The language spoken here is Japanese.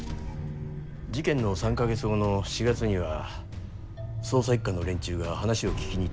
事件の３か月後の４月には捜査一課の連中が話を聞きに行ってますよ。